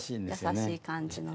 優しい感じのね。